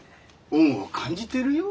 恩を感じてるよ。